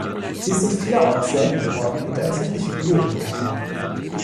Sie sind vielerorts selten geworden und empfindliche Bioindikatoren.